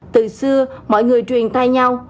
từ xưa mọi người truyền tay nhau